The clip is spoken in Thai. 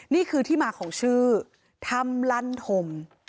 นี่คือที่มาของชื่อธรรมลั่นธม